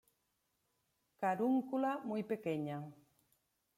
Carúncula muy pequeña.